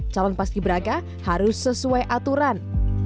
calon paski beraka harus sesuai aturan